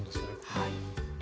はい。